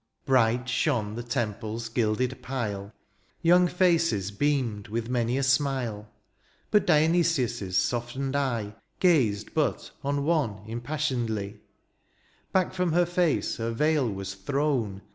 Bright shone the templets gilded pile^ Young faces beamed with many a smile^ But Dionysius' softened eye Gazed but on one impassionedly : Back from her face her veil was thrown.